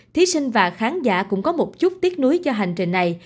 thí sinh và khán giả cũng có một chút tiếc nuối cho hành trình này